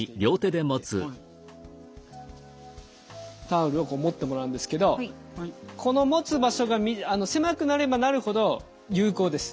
タオルをこう持ってもらうんですけどこの持つ場所が狭くなればなるほど有効です。